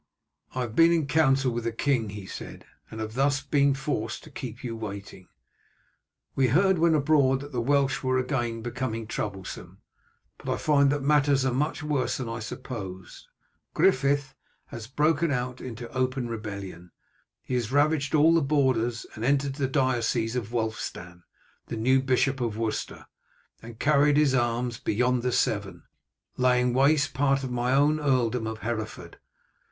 "I have been in council with the king," he said, "and have thus been forced to keep you waiting. We heard when abroad that the Welsh were again becoming troublesome, but I find that matters are much worse than I had supposed. Griffith has broken out into open rebellion; he has ravaged all the borders, has entered the diocese of Wulfstan, the new Bishop of Worcester, and carried his arms beyond the Severn, laying waste part of my own earldom of Hereford.